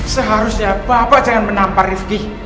seharusnya bapak jangan menampar rifki